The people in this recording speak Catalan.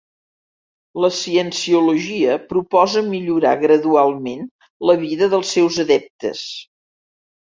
La Cienciologia proposa millorar gradualment la vida dels seus adeptes.